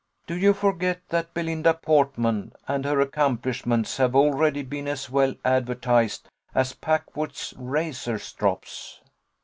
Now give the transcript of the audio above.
"Do you forget that Belinda Portman and her accomplishments have already been as well advertised as Packwood's razor strops?"